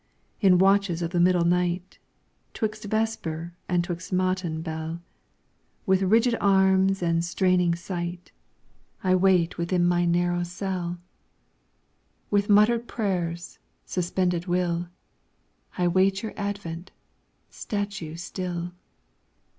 In watches of the middle night, 'Twixt vesper and 'twixt matin bell, With rigid arms and straining sight, I wait within my narrow cell; With muttered prayers, suspended will, I wait your advent statue still.